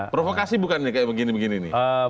provokasi bukan begini begini